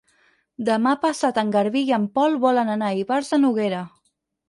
Demà passat en Garbí i en Pol volen anar a Ivars de Noguera.